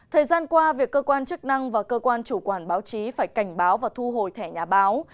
thời gian qua việc cơ quan chức năng và cơ quan chủ quản báo chí phải cảnh báo và thu hồi thẻ nhà báo